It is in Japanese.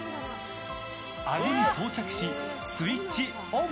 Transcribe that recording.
あごに装着し、スイッチオン。